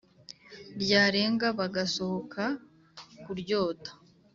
Ryarênga bagasohoka kuryota